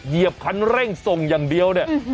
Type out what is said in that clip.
เหยียบคันเร่งส่งอย่างเดียวเนี่ย